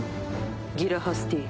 ギラ・ハスティー。